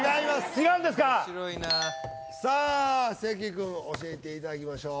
違うんですかさあ関くん教えていただきましょう